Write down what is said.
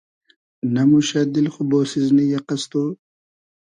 نئموشۂ دیل خو بۉسیزنی یئقئس تو؟